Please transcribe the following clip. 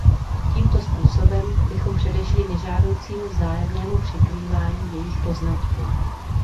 Tímto způsobem bychom předešli nežádoucímu vzájemnému překrývání jejich poznatků.